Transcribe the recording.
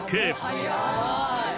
「早い！」